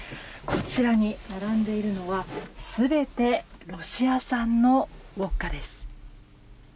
こちらに並んでいるのは全てロシア産のウォッカです。